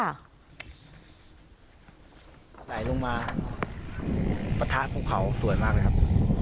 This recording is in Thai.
ไหลลงมาปะทะของเขาสวยมากเลยครับ